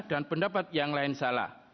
dan pendapat yang lain salah